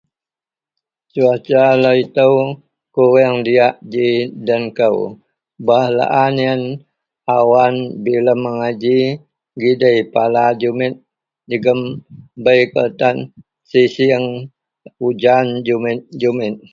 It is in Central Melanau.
cuaca lau ito kurang diak ji den kou, bah a laan ien awan bilem agai ji gidei pala jumit jegum bei kawak tan isieng ujan jumit-jumik